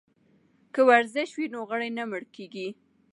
که ورزش وي نو غړي نه مړه کیږي.